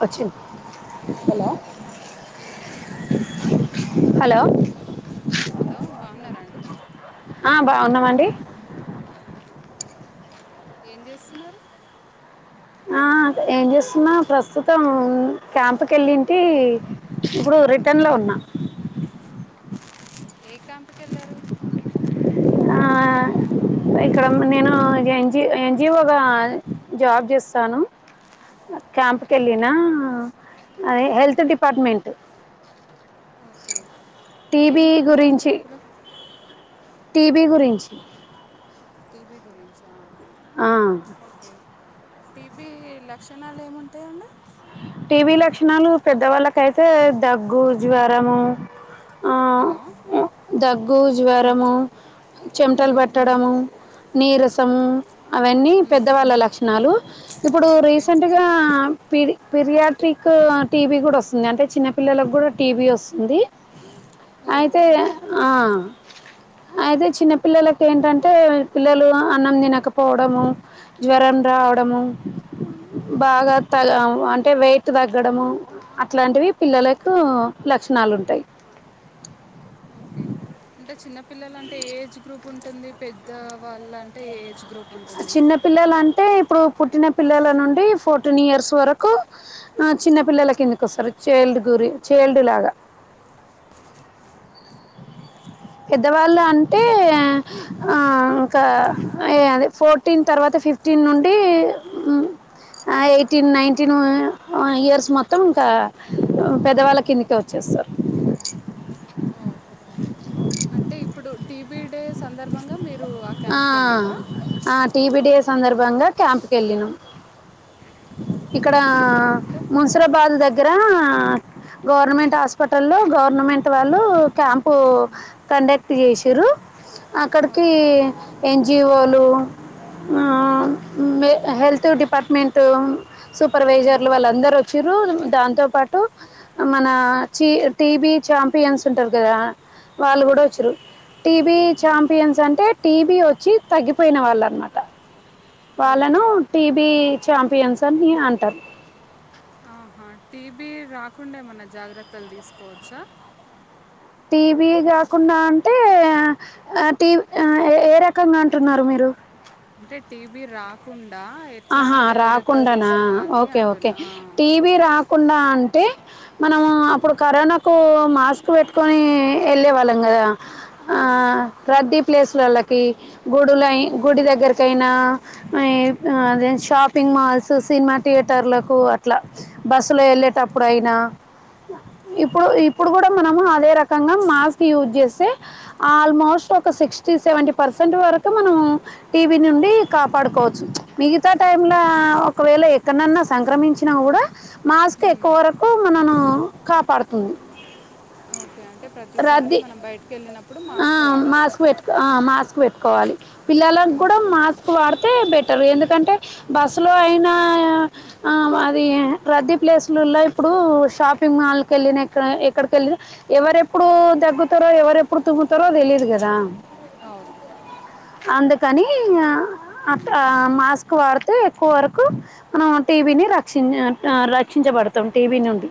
వచ్చింది hello hello hello బాగున్నారా అండి ఆ బావున్నామండి ఏం చేస్తున్నారు ఆ ఏం చేస్తున్నా ప్రస్తుతం క్యాంప్కి వెళ్ళింటి ఇప్పుడు రిటర్న్ లో ఉన్నా ఏ క్యాంపుకి వెళ్ళారు ఆ ఇక్కడ నేను ఎన్జి ఎన్జిఓ గా జాబ్ చేస్తాను క్యాంప్కి వెళ్ళిన అది హెల్త్ డిపార్ట్మెంట్ ఓకే ఏం టీబీ చెప్తారా గురించి క్యాంపులో టీబీ గురించి టీబీ గురించా ఆ ఓకే టీబీ లక్షణాలు ఏముంటాయండి టీబీ లక్షణాలు పెద్దవాళ్ళకైతే దగ్గు జ్వరము ఆ హలో ఉ దగ్గు జ్వరము చెమటలు మ్మ్, పెట్టడము నీరసం అవన్నీ మ్మ్, పెద్దవాళ్ళ లక్షణాలు ఇప్పుడు ఓకే రీసెంట్గా పిడి పిరియాట్రిక్ టీవీ కూడా వస్తుంది అంటే చిన్నపిల్లలకు కూడా టీవీ వస్తుంది ఓ అయితే ఆ అయితే చిన్న పిల్లలకు ఏంటంటే పిల్లలు అన్నం తినకపోవడము జ్వరం రావడము బాగా తగ అంటే వెయిట్ తగ్గడము అట్లాంటివి పిల్లలకు లక్షణాలు ఉంటాయి ఓకే అంటే చిన్నపిల్లల అంటే ఎ ఏజ్ గ్రూప్ ఉంటుంది పెద్ద వాళ్ళ అంటే ఏజ్ గ్రూప్ ఉంటుంది చిన్న పిల్లల అంటే ఇప్పుడు పుట్టిన పిల్లల నుండి ఫోర్టీన్ ఇయర్స్ వరకు చిన్న పిల్లల కిందికి వస్తారు చైల్డ్ గురి చైల్డ్ లాగా పెద్దవాళ్ళు అంటే ఆ ఇంకా అ అదే ఫోర్టీన్ తర్వాత ఫిఫ్టీన్ నుండి ఎయిటీన్ నైటీన్ ఇయర్స్ మొత్తం ఇంకా పెద్దవాళ్ళ కిందికే వచ్చేస్తారు ఓహో అంటే ఇప్పుడు టీబీ డే సందర్భంగా మీరు ఆ క్యాంప్కి వెళ్ళినరా ఆ టీబి డేస్ సందర్భంగా క్యాంపుకెళ్ళినం ఓకే ఇక్కడ ఓకే అంటే ముస్సిరాబాద్ దగ్గర గవర్నమెంట్ హాస్పిటల్ లో గవర్నమెంట్ వాళ్ళు క్యాంపు మ్మ్. కండక్ట్ చేసిర్రు అక్కడికి ఓకే ఏం జీవోలో ఆ మే హెల్త్ డిపార్ట్మెంట్ సూపర్వైజర్లు మ్మ్. వాళ్ళందరు వచ్చిరు దాంతో పాటు మన చి టీబి చాంపియన్స్ ఉంటారు కదా వాళ్ళు కూడా అవును వచ్చిర్రు టీబీ ఆ, చాంపియన్స్ అంటే టీబీ వచ్చి తగ్గిపోయిన వాళ్ళు అనమాట వాళ్ళను ఓకే టీబీ చాంపియన్స్ అని అంటరు టీబీ రాకుండా ఏమన్నా జాగ్రత్తలు తీసుకోవచ్చా టీబీ కాకుండా అంటే అ టీ ఏ రకంగా అంటున్నారు మీరు అంటే టీబి రాకుండ్ ఆహా రాకుండానా ఓకే ఓకే అంటున్నా ఆ, టీబి రాక్ కుండా అంటే మనము అప్పుడు కరోనాకు మాస్క్ పెట్టుకొని వెళ్ళే వాళ్ళం కదా ఆ అవును ప్రదీప్ ప్లేస్లళ్ళకి గుడులై మ్మ్. గుడి దగ్గరకైనా ఈ అదే షాపింగ్ మాల్స్ సినిమా థియేటర్లకు అట్లా బస్సులో వెళ్ళేటప్పుడు అయినా ఇప్పుడు ఇప్పుడు కూడా మనము అదే రకంగ మాస్క్ యూజ్ చేస్తే ఆల్మోస్ట్ ఒక సిక్స్టీ సెవెంటీ పర్సెంట్ వరకు మనం టీబి నుండి కాపాడుకోవచ్చు మిగతా టైంలో ఒకవేళ ఎక్కడనన్నా సంక్రమించినా కూడా మాస్క్ మ్మ్. ఎక్కువ వరకు మనను కాపాడుతుంది ఓకే అంటే ప్రతిసారి రద్దీ మనం బయటికి వెళ్ళినప్పుడు ఆ, మాస్క్ వాడాలి మాస్క్ పెట్టుకో ఆ, మాస్క్ పెట్టుకోవాలి పిల్లలకి కూడా మ్మ్హ్మ్. మాస్క్ వాడితే బెట్ ఎందుకంటే బస్సులో అయినా అది రద్దీ ప్లేసులల్లో ఇప్పుడు షాపింగ్ మాల్ కెళ్ళిన ఎక్కడ ఎక్కడికెళ్ళిన ఎవరెప్పుడు దగ్గుతారు ఎవరెప్పుడు తుమ్ముతారో తెలియదు కదా అవును అందుకని అ ఆ మాస్క్ వాడితే ఎక్కువ వరకు మనం టీబి ని రక్షిం ఆ రక్షించబడతాం టి బి నుండి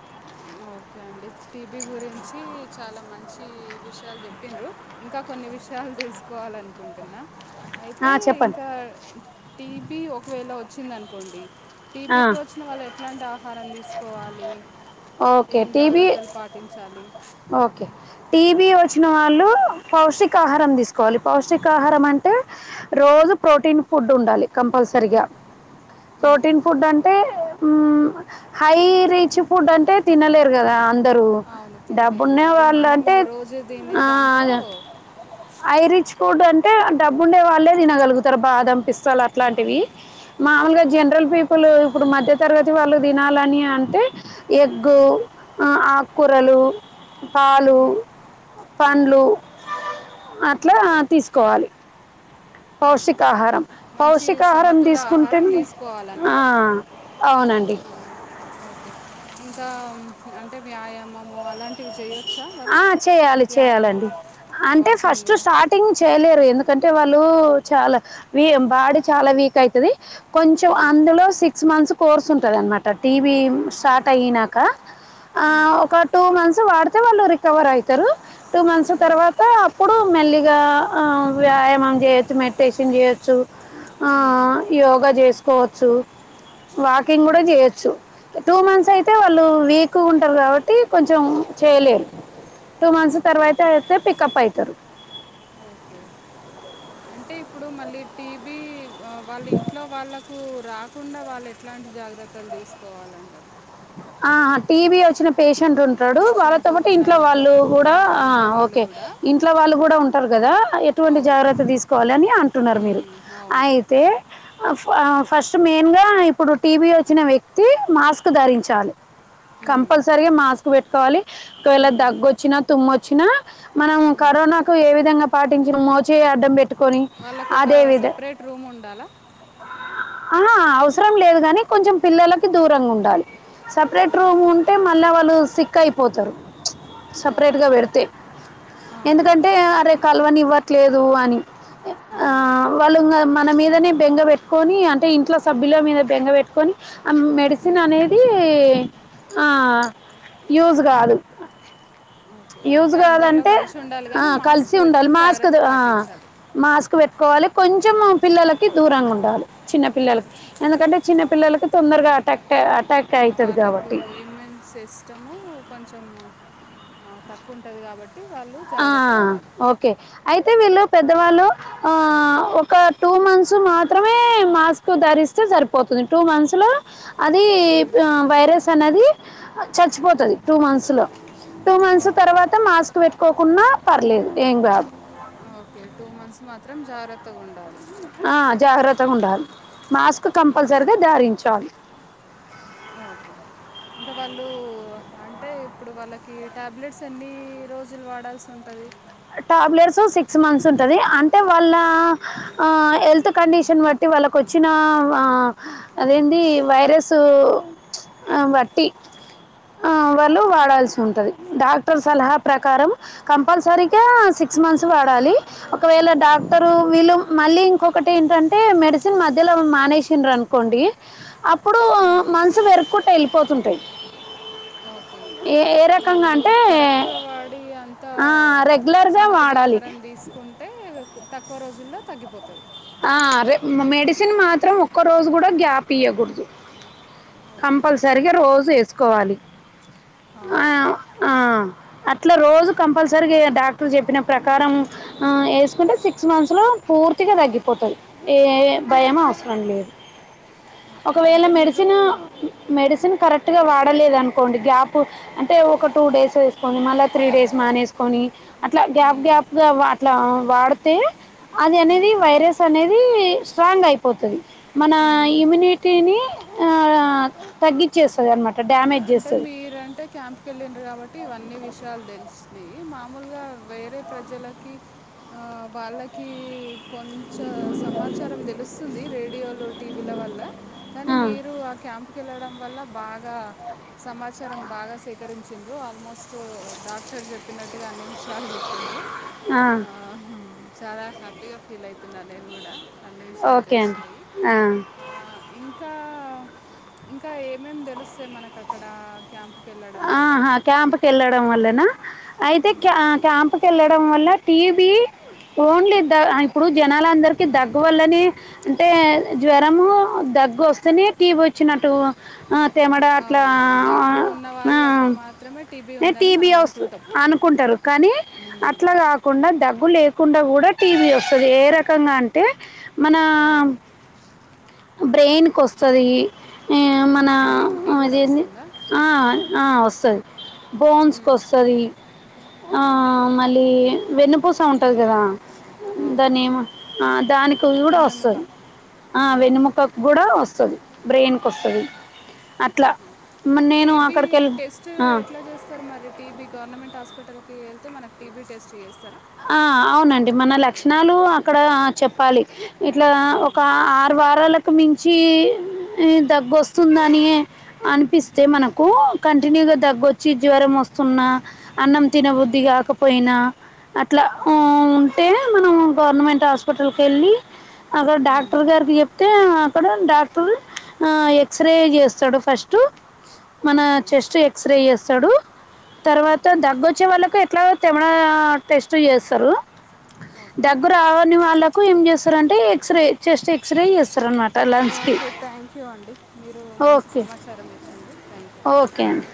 ఓకే అండి టీబీ గురించి చాలా మంచి విషయాలు చెప్పిన్రు ఇంకా కొన్ని విషయాలు తెలుసుకోవాలనుకుంటున్నా ఆ, అయితే చెప్పండి ఇంకా టీబీ వచ్చిందనుకోండి ఆ, టీబీ వచ్చిన వాళ్ళ ఎట్లాంటి ఆహారం తీసుకోవాలి ఓకే ఏం టీబీ జాగ్రత్తలు పాటించాలి. టీబి వచ్చిన వాళ్ళు పౌష్టికాహారం తీసుకోవాలి. పౌష్టికాహారం అంటే రోజు ప్రోటీన్ ఫుడ్ ఉండాలి. కంపల్సరిగా ఉమ్, ప్రోటీన్ ఫుడ్ అంటే హై రేచ్ ఫుడ్ అంటే తినలేరు కదా రు అవును తినలేము డబ్బున్న అదే వాళ్ళు మనము అంటే రోజు తినే ఆ దాంట్లో హై రీచ్ ఫుడ్ ఫుడ్ అంటే డబ్బు ఉండే వాళ్ళే తినగలుగుతారు బాదం పిస్తాలు అట్లాంటివి అవును మామూలుగా జనరల్ ప అప్పులు ఇప్పుడు మధ్య తరగతి వాళ్ళు తినాలని అంటే ఎగ్ ఆకుకూరలు పాలు ఉమ్, ఆ, పండ్లు అట్లా ఓకే తీసుకోవాలి. ఆహా. పౌషటికాహారం మంచి సమతుల ఆహారం ఆ, తీసుకోవాలన్నమాట అవునండి. మ్మ్. ఓకే ఇంకా అంటే వ్యాయామము అలాంటివి చేయొచ్చు ఆ చేయాలి చెయాలండి అంటే ఫస్ట్ వాకింగ్ స్టార్టింగ్ చేయలేరు ఎందుకు ఎందుకంటే వాళ్ళు చాలా వ బాడి చాలా వీక్ అయితది కొంచెం అవును అందులో సిక్స్ మంత్స్ కోర్స్ ఉంటుందిన్నమాట టీవీ ఆ. స్టార్ట్ అయినాక ఆ మ్మ్. ఒక టూ మంత్స్ వాడితే వాళ్లు కవర్ అవుతారు టూ మంత్స్ తర్వాత అప్పుడు మెల్లిగా వ్యాయామం చేయచ్చు మెడిటేషన్ చేయవచ్చు ఆ మ్మ్. యోగా చేసుకోవచ్చు వాకింగ్ కూడా మ్మ్. చేయొచ్చు టూ మంత్స్ అయితే వాళ్ళు వీక్గా ఉంటారు కాబట్టి కొంచెం చేయలేరు. టూ మంత్స్ ఓకే తరవాయతే పికప్ అయితరు ఓకే అంటే ఇప్పుడు మళ్ళీ టీబీ వాళ్ళ ఇంట్లో వాళ్ళకు రాకుండా వాళ్ళు ఎట్లాంటి జాగ్రత్తలు తీసుకోవాలంటారు. ఆ టీవి వచ్చిన పేషెంట్ ఉంటాడు పేషెంట్ వాళ్ళతో పాటు ఉన్న ఇంట్లో వాళ్ళు కూడా ఆ, ఇంట్లో వాళ్ళు ఓకే కూడా ఇంట్లో వాళ్ళు కూడా ఉం ఉంటారు కదా ఎటువంటి అవును జాగ్రత్త తీసుకోవాలని అంటున్నారు. మీరు మ్మ్. అవును అయితే ఫస్ట్ మెయిన్ గా ఇప్పుడు టీబీ వచ్చిన వ్యక్తి మాస్క్ ధరించాలి. మ్మ్. కంపల్సరిగా మాస్క్ పెట్టుకోవాలి ఒకవేళ మ్మ్. దగ్గొచ్చినా తుమ్మొచ్చినా మనం మ్మ్. కరోనాకు ఏ విధంగా పాటించిన మోచేయీ అడ్డం పెటీ వాళ్ళకు ఒక సపరేట్ రూమ్ ఉండాలా ఆ అవసరం లేదు కానీ కొంచెం పిల్లలకి దూరంగా ఉండాలి. సెపరేట్ పిల్లలకు రూమ్ దూరం ఉంటే మళ్ళా వాళ్ళు సిక్ అయిపోతారు ఓ సెపరేట్ గా పెడితే ఆహా ఎందుకంటే అరే కల్వ ని ఇవ్వ లేదు అని ఆ ఉమ్, వాళ్ళుంగా మన మీదనే బెంగ పెట్కొని అంటే ఇంట్లో సభ్యుల మీద బెంగ పెట్టుకొని ఆ మెడిసిన్ ఉమ్. అనే ది ఆ యూజ్ కాదు ఓకే యూజ్ అంటే అందరిలో కాదంటే కలిసి ఉండాలి ఆ కానీ మాస్క్ కలిసి ఉండాలి పెట్టుకొని మాస్క్ జాగ్రత్త ది ఆ పాటించాలి మాస్క్ వెట్ కోవాలి కొంచెం పిల్లలకి దూరంగా ఉండాలి చిన్న పిల్లలకి ఎందుకంటే చిన్న ఓకే పిల్లలకి తొందరగ అటాక్ట్ అటాక్ ఆ అవుతుంది వాళ్ళకు కాబట్టి ఇమ్యూన్ సిస్టము కొంచెము ఆ తక్కువ ఉంటది కాబట్ ఆ ఓకే అయితే వీళ్ళు పెద్దవాళ్ళు ఆ ఒక టూ మంత్స్ మాత్రమే మాస్క్ ధరిస్తే సరిపోతుంది. టూ మంత్స్ లో అది ఉమ్, ఆ వైరస్ అనేది చచ్చిపోతది టూ మంత్స్ లో. టూ మంత్స్ ఓకే తర్వాత మాస్క్ పెట్ట పోకుంన్నా పర్లేదు ఏం కాదు ఓకే టూ మంత్స్ మా త్రం జాగ్రత్తగ ఉండాలి ఆ జాగ్రత్తగా ఉండాలి మాస్క్ ఉమ్. కంపల్సరిగా ధరించాలి ఓకే ఇంకా వాళ్ళు అంటే ఇప్పుడు వాళ్ళకి టాబ్లెట్స్ ఎన్ని రోజులు వాడాల్సి ఉంటుంది టాబ్లెట్స్ సిక్స్ మంత్స్ ఉంటుంది అంటే వాళ్ళ ఆ హెల్త్ కండిషన్ బట్టి వాళ్ళకు వచ్చిన అదేంటి వైరస్ బట్టి వాళ్ళు వాడాల్సి ఉంటుంది డాక్టర్ సలహా ప్రకారం కంపల్సరీ ఇకా సిక్స్ మంత్స్ వాడాలి ఒకవేళ డాక్టరు వీళ్ళు మళ్ళీ ఇంకొకటి ఏంటంటే మెడిసిన్ మధ్యలో మానేసిండ్ర అనుకోండి అప్పుడు మంత్స్ పెరుక్కుంట వెళ్ళిపోతుంటాయి ఓకే ఏ ఏ రకంగా వాళ్ళు అంటే కరెక్ట్ గా వాడి అంతా ఆ, గా సమతుల వాడాలి ఆహారం తీసుకుంటే తక్కువ రోజుల్లో తగ్గిపోతది ఆ అదే మెడిసిన్ మాత్రం ఒక్క రోజు కూడా గ్యాప్ ఇయకూడదు ఓకే. కంపల్సరిగా రోజు వేసుకోవాలి ఆ ఆహా! ఆ అట్లా రోజు కంపల్సరీ డాక్టర్ చెప్పిన ప్రకారం వేసుకుంటే సిక్స్ మంత్స్ లో పూర్తిగా తగ్గింది పోతుంది ఏ భయమ అవసరం లేదు ఓకే. ఒకవేళ అంటే మీరు మెడిసిన్ మెడిసిన్ కరెక్ట్ గా వాడలేద అనుకోండి గ్యాప్ అంటే ఒక టూ డేస్ వేసుకొని మళ్ళా త్రీ డేస్ మానేసుకొని అట్లా గ్యాప్ హ్మ్. గ్యాప్ గా అట్లా వాడితే అది అనేది హ్మ్. వైరస్ అనేది స్ట్రాంగ్ అయిపోతుంది మన హ్మ్. ఇమ్యూనిటీని తగ్గించేస్తుంది అనమాట డ్యామేజ్ అంటే చేస్తుంది మీరంటే క్యాంప్ క వెళ్ళినారు కాబట్టి ఇవన్నీ విషయాలు తెలిసినియి మామూలుగా వేరే ప్రజలకి ఆ వాళ్ళకి కొంచె సమాచారం తెలుస్తుంది రేడియోలు టీవీల వల్ల కానీ మీరు ఆ క్యాంప్కి వెళ్ళడం వల్ల బాగా సమాచారం బాగా సేకరించిండ్రు ఆల్మోస్ట్ డాక్టర్లు చెప్పినట్టుగా అన్ని విషయాలు చెప్పిండ్రు ఆ హ్ చాలాహాపి గా ఫీల్ ఐతున్నా నేను కూడా అన్ని విషయాలు ఓకే తెలిసినయి అండి ఆ ఇంకా ఇంకా ఏమేమి తెలుస్తాయి మనకి కక్కడ క్యాంప్ ఆహా క్యాంప్ కెళ్ళడం వల్లనా అయితే క హ్మ్. క్యాంప్ కెళ్ళె డం వల్ల టీబి ఓన్లీ ద ఇప్పుడు జనాలందరికి దగ్గు వల్లనే అంటే జ్వరము దగ్గు వస్తేనే టీబి వచ్చినట్టు తె మడ అట్లా అవును. దగ్గు ఉన్న ఆ వాళ్ళకు మాత్రమే టీబీ ఉందని టీబి మనం అనుకుంటాం. వస్అనుకుంటారుకానీ హ్మ్. అట్లా కాకుండా దగ్ లేకుండా కూడా టీబీ వస్తది ఏ రకంగా అంటే మనా ఓహ్! బ్రెయిన్ కు వస్తది హ్మ్ మన బ్రెయిన్‌కి గూడా అదేంది వస్తుందా? అ వస్తది బోన్స్ కు హ్మ్. వస్తది అ హ్మ్. మళ్ళీ వెన్నుపూస ఉంటది కదా అవును. దాని ఏమో ఆ దానికి కూడా వెన్నెముక. వస్తది ఆ వెన్నముక్కకు కూడా వస్తది బ్రెయిన్కి వస్తది అట్ల ఆహా! మా నేను టీబీ అక్కడ టెస్ట్ ఎట్లచేస్తారు మరి టీ బి గవర్నమెంట్ హాస్పి హాస్పిటల్కి వెళ్తే మనకి టీ బి టెస్ట్ చేస్తర ఆ అవునండి మన లక్షణాలు అక్కడ చెప్పాలి ఇట్లా హ్మ్. ఒక ఆరు వారాల క్క మించి దగ్గొస్తుందని అనిపిస్తే మనకు కంటిన్యూగా దగ్గొచ్చి జ్వరం వస్తున్న అన్నం తినబుద్ధి కాకపోయినా అన్ ట్లా ఊ హ్మ్. ఉంటే మనం గవర్నమెంట్ హాస్పిటల్కి వెళ్ళి అక్కడ హ్మ్. డాక్టర్ గారికి చెప్తే అక్కడ డాక్టర్ ఆ ఎక్స్రే చేస్తడు ఫస్ట్ మన ఓకే చెస్ట్ ఎక్స్ రే చేస్ చడు తర్వాత ఓకే దగ్గొచ్చే వాళ్ళకే ఎక్ స్టుల్లో చెమడ టెస్ట్ ట్రై యేస్సరు ఓకే దగ్గు రావని వాళ్ళకు ఎం చేస్ స్తరంటే x ray chest x ray చేస్తారన్మాట్ ఓకే థ్యాంక్ యూ అండి మీరు మంచి ఓకే సమాచారం ఇచ్చిండ్రు థ్యాంక్ యూ. ఓకే అండి